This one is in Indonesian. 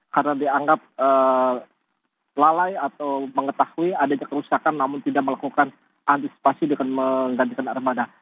karena dianggap lalai atau mengetahui adanya kerusakan namun tidak melakukan antisipasi dengan menggantikan armada